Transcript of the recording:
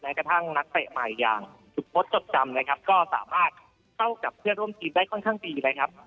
กระทั่งนักเตะใหม่อย่างสุพศจดจำนะครับก็สามารถเข้ากับเพื่อนร่วมทีมได้ค่อนข้างดีเลยครับ